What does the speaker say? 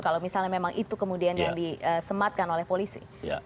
kalau misalnya memang itu kemudian yang disematkan oleh polisi